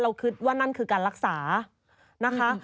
คิดว่านั่นคือการรักษานะคะ